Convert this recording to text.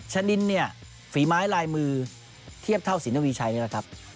ชนินเนี่ยฝีไม้ลายมือเทียบเท่าสินทวีชัยนี่แหละครับ